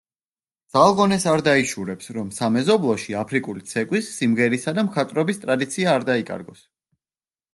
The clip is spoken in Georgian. ძალ-ღონეს არ დაიშურებს, რომ სამეზობლოში აფრიკული ცეკვის, სიმღერისა და მხატვრობის ტრადიცია არ დაიკარგოს.